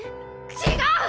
違う！